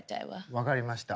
分かりました。